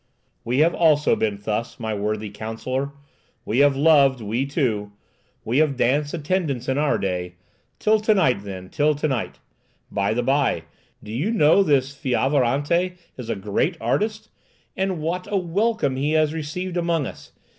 "We have also been thus, my worthy counsellor! We have loved—we too! We have danced attendance in our day! Till to night, then, till to night! By the bye, do you know this Fiovaranti is a great artist? And what a welcome he has received among us!